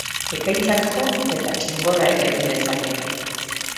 Ekaitzak jo eta txingorra ere egin lezake.